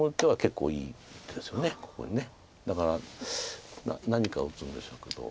だから何か打つんでしょうけど。